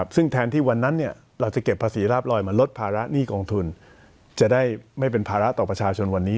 ซึ่งแทนที่วันนั้นเราจะเก็บภาษีราบลอยมาลดภาระหนี้กองทุนจะได้ไม่เป็นภาระต่อประชาชนวันนี้